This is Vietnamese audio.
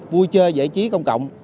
vui chơi giải trí công cộng